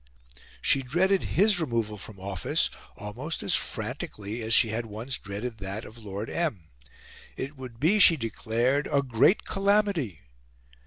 She dreaded his removal from office almost as frantically as she had once dreaded that of Lord M. It would be, she declared, a GREAT CALAMITY.